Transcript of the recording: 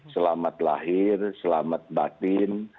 selamat lahir selamat batin